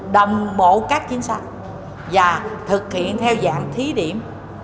đồng bộ các chính sách và thực hiện theo dạng thí điểm